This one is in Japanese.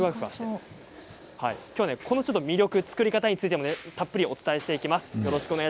きょうは、この作り方についてもたっぷりとお伝えしていきます。